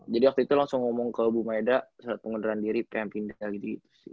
jadi waktu itu langsung ngomong ke bu maeda saat pengunduran diri pengen pindah gitu sih